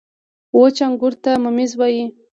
• وچ انګور ته مميز وايي.